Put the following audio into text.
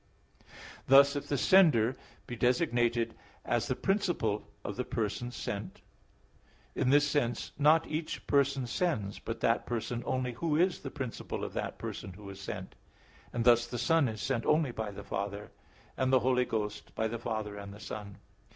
Thus if the sender be designated as the principle of the person sent, in this sense not each person sends, but that person only Who is the principle of that person who is sent; and thus the Son is sent only by the Father; and the Holy Ghost by the Father and the Son.